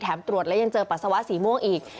ตรวจแล้วยังเจอปัสสาวะสีม่วงอีก